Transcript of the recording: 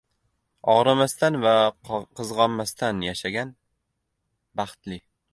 • Og‘rimasdan va qizg‘onmasdan yashagan — baxtli.